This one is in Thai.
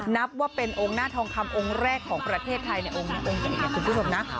นับว่าเป็นองค์หน้าทองคำองค์แรกของประเทศไทยในองค์ใหญ่ขึ้นทุกสมนะ